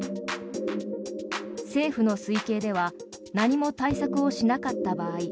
政府の推計では何も対策をしなかった場合